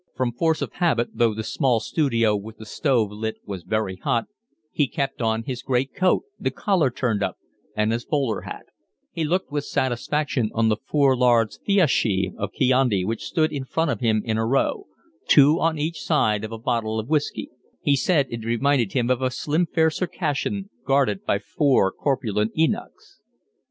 From force of habit, though the small studio with the stove lit was very hot, he kept on his great coat, with the collar turned up, and his bowler hat: he looked with satisfaction on the four large fiaschi of Chianti which stood in front of him in a row, two on each side of a bottle of whiskey; he said it reminded him of a slim fair Circassian guarded by four corpulent eunuchs.